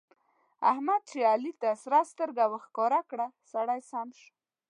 احمد چې علي ته سره سترګه ورښکاره کړه؛ سړی سم شو.